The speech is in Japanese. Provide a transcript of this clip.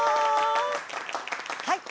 はい。